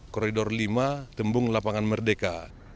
koridor lima tembung lapangan merdeka